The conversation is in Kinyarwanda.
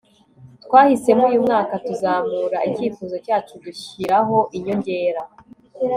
twahisemo uyu mwaka kuzamura icyifuzo cyacu dushiraho inyongera